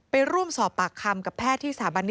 ไปร่วมสอบปากคำกับแพทย์ที่สถาบันนิ